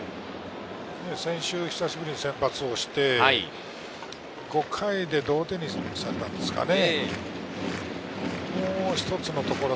先週久しぶりに先発して、５回で同点にされたんですかね？